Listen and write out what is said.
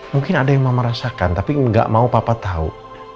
mungkin ada yang mama rasakan tapi gak mau papa tau